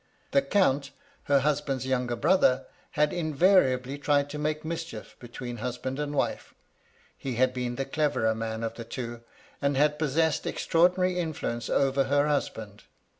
The Count, her hus band's younger brother, had invariably tried to make mischief between husband and wife. He had been the cleverer man of the two, and had possessed extra ordinary influence over her husband.